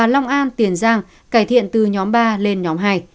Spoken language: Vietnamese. long an tiền giang cải thiện từ nhóm ba lên nhóm hai